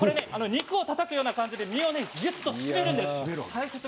肉をたたくような感じでぎゅっと締めるんです。